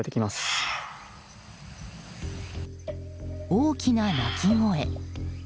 大きな鳴き声。